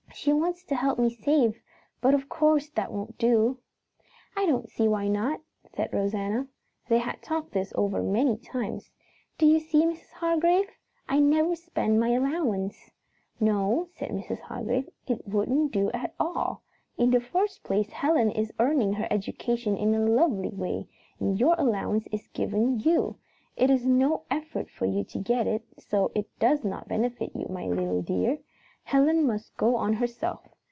"She wants to help me save, but of course that won't do." "I don't see why not," said Rosanna. They had talked this over many times. "Do you see, Mrs. Hargrave? I never spend my allowance." "No," said Mrs. Hargrave, "it wouldn't do at all. In the first place Helen is earning her education in a lovely way, and your allowance is given you. It is no effort for you to get it, so it does not benefit you, my little dear. Helen must go on herself.